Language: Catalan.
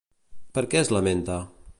Per què es lamenta?